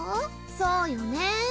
そうよね。